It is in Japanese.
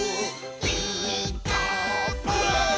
「ピーカーブ！」